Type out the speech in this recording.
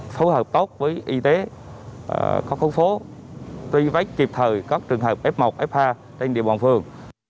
phối hợp tốt với y tế các khu phố tuy vách kịp thời các trường hợp f một f hai trên địa bàn phường